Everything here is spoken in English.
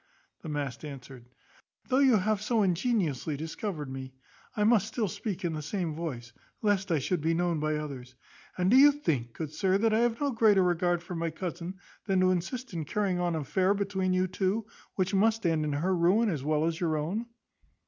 The mask answered, "Though you have so ingeniously discovered me, I must still speak in the same voice, lest I should be known by others. And do you think, good sir, that I have no greater regard for my cousin, than to assist in carrying on an affair between you two, which must end in her ruin, as well as your own?